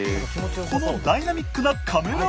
このダイナミックなカメラワーク。